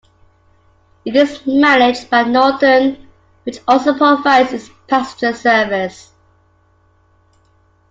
It is managed by Northern, which also provides its passenger service.